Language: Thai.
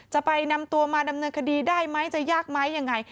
จะไปนำตัวมาดำเนินคดีได้ไหมจะยากไหมยังไง